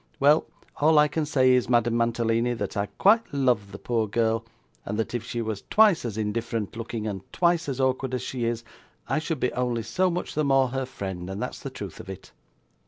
Well, all I can say is, Madame Mantalini, that I quite love the poor girl; and that if she was twice as indifferent looking, and twice as awkward as she is, I should be only so much the more her friend, and that's the truth of it.